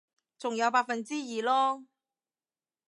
仲有百分之二囉